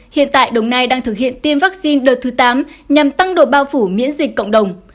hiện tại đồng nai đang thực hiện tiêm vaccine đợt thứ tám nhằm tăng độ bao phủ miễn dịch cộng đồng